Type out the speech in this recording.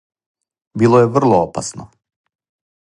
Било је врло опасно.